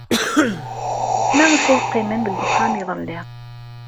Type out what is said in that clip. Maɣef ay qqimen deg uxxam iḍelli?